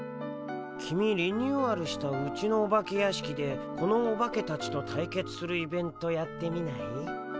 キミリニューアルしたうちのお化け屋敷でこのオバケたちと対決するイベントやってみない？